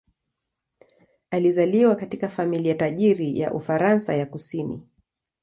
Alizaliwa katika familia tajiri ya Ufaransa ya kusini.